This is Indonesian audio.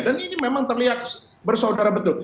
dan ini memang terlihat bersaudara betul